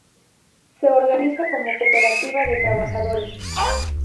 Se organiza como cooperativa de trabajadores.